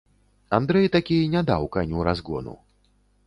Андрэй такі не даў каню разгону.